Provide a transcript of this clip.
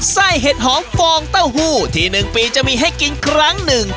เห็ดหอมฟองเต้าหู้ที่๑ปีจะมีให้กินครั้งหนึ่ง